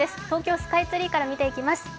東京スカイツリーから見ていきます。